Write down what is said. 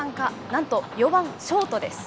なんと、４番ショートです。